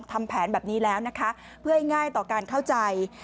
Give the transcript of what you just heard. ทำแผนแบบนี้แล้วนะคะเพื่อให้ง่ายต่อการเข้าใจ